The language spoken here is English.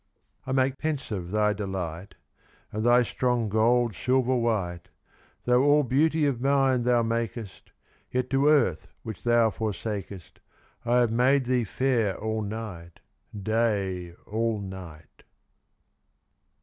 I make pensive thy delight, And thy strong gold silver white. Though all beauty of nine thou makest, Yet to earth which thou forsakest I have made thee fair all night, Day all night.